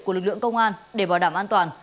của lực lượng công an để bảo đảm an toàn